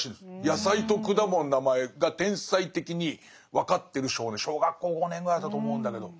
野菜と果物の名前が天才的に分かってる小学校５年ぐらいだと思うんだけど。